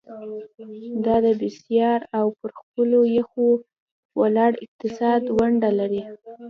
دا د بسیا او پر خپلو پخو ولاړ اقتصاد ونډه لري.